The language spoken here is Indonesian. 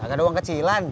nggak ada uang kecilan